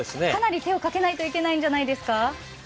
かなり手をかけないといけないんじゃないですか？